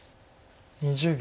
２０秒。